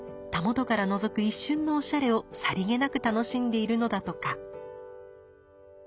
袂からのぞく一瞬のおしゃれをさりげなく楽しんでいるのだとか。